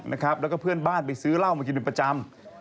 แล้วก็เพื่อนบ้านไปซื้อเหล้ามากินเป็นประจำ